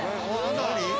何？